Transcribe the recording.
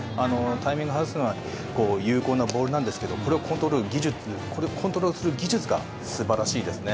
タイミングを外すのに有効なボールなんですけどこれをコントロールする技術が素晴らしいですね。